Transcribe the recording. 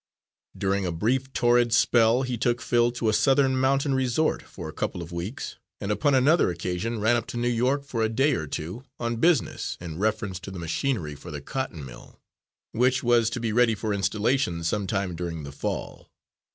During a brief torrid spell he took Phil to a Southern mountain resort for a couple of weeks, and upon another occasion ran up to New York for a day or two on business in reference to the machinery for the cotton mill, which was to be ready for installation some time during the fall.